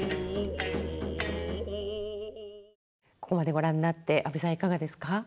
ここまでご覧になって安部さんいかがですか？